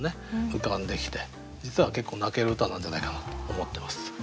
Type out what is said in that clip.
浮かんできて実は結構泣ける歌なんじゃないかなと思ってます。